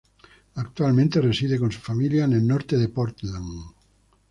Actualmente reside con su familia en el norte de Portland.